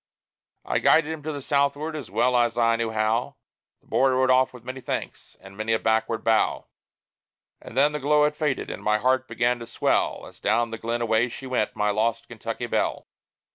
I guided him to the southward as well as I knew how; The boy rode off with many thanks, and many a backward bow; And then the glow it faded, and my heart began to swell, As down the glen away she went, my lost Kentucky Belle!